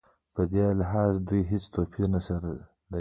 په دې لحاظ دوی هېڅ توپیر سره نه لري.